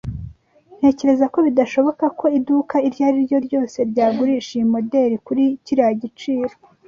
Ntekereza ko bidashoboka ko iduka iryo ariryo ryose ryagurisha iyi moderi kuri kiriya giciro.